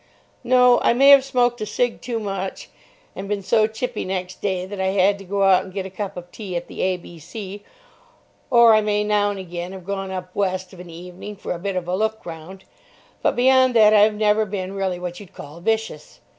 No; I may have smoked a cig. too much and been so chippy next day that I had to go out and get a cup of tea at the A.B.C.; or I may now and again have gone up West of an evening for a bit of a look round; but beyond that I've never been really what you'd call vicious.